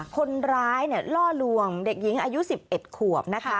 คนร้ายล่อลวงเด็กหญิงอายุ๑๑ขวบนะคะ